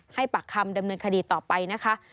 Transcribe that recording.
ปากคำดำเนินคดีต่อไปนะคะ